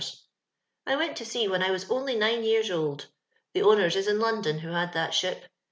Iwaot to sea when I was only nine years cM. The owners is in London who had that ship.